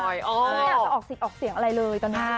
ไม่อยากจะออกเสียงอะไรเลยตอนหน้า